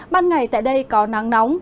ban ngày tại đây có nắng nóng